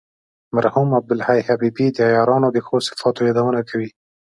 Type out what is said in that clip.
مرحوم عبدالحی حبیبي د عیارانو د ښو صفاتو یادونه کوي.